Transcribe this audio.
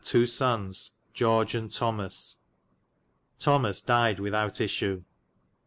sonnes, George and Thomas. Thomas dyed without ysswe.